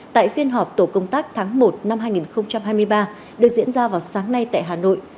tại phiên họp tổ công tác tháng một năm hai nghìn hai mươi ba được diễn ra vào sáng nay tại hà nội